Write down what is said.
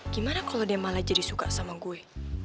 gimana kalau dia malah jadi suka sama gue